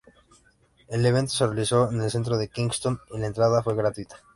El evento se realizó en el centro de Kingston y la entrada fue gratuita.